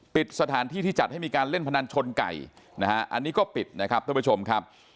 ปิดสถานที่ที่จัดให้มีการเล่นพนันชนไก่นะฮะอันนี้ก็ปิดนะครับท่านผู้ชมครับ